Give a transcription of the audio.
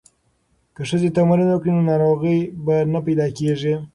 که ښځې تمرین وکړي نو ناروغۍ به نه پیدا کیږي.